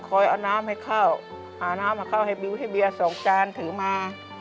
คอยเอาน้ำให้เข้าเอาน้ำมาเข้าให้บิวให้เบียร์๒จานถือมา